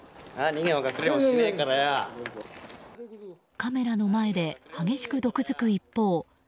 カメラの前で激しく毒づく一方